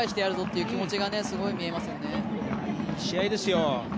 いい試合ですよ。